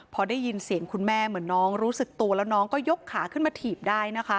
พอได้ยินเสียงคุณแม่เหมือนน้องรู้สึกตัวแล้วน้องก็ยกขาขึ้นมาถีบได้นะคะ